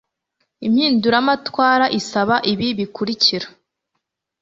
impinduramatwara isaba ibi bikurikira